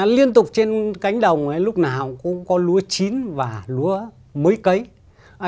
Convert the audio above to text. liên tục trên cánh đồng lúc nào cũng có lúa chín và lúa mùa